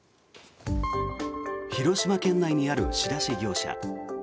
広島県内にある仕出し業者。